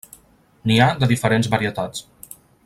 N'hi ha de diferents varietats.